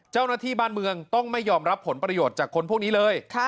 เจ้าหน้าที่บ้านเมืองต้องไม่ยอมรับผลประโยชน์จากคนพวกนี้เลย